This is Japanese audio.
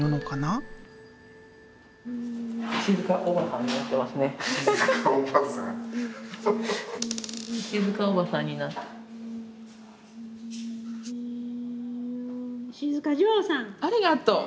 ありがとう！